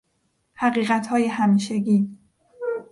حقیقتهای همیشگی